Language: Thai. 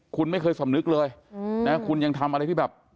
คุณไม่เคยสำนึกเลยนะคุณยังทำอะไรที่แบบ